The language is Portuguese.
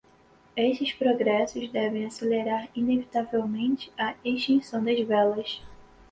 Estes progressos devem acelerar inevitavelmente a extinção das velhas